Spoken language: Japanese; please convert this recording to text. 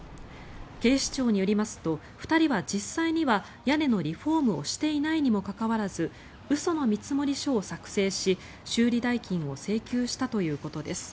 警視庁によりますと２人は、実際には屋根のリフォームをしていないにもかかわらず嘘の見積書を作成し、修理代金を請求したということです。